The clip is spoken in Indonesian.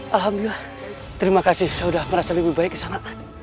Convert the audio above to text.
alhamdulillah terima kasih saya sudah merasa lebih baik kesana